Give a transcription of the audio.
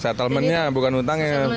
settlementnya bukan utangnya